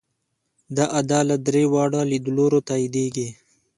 دا ادعا له درې واړو لیدلورو تاییدېږي.